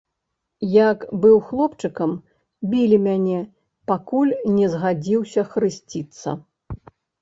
Як быў хлопчыкам, білі мяне, пакуль не згадзіўся хрысціцца.